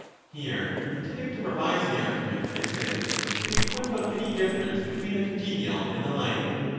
v^\ Here, intending to revise the argument, I said: Can we point out any difference between the con genial and the like?